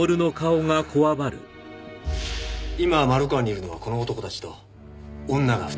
今まろく庵にいるのはこの男たちと女が２人。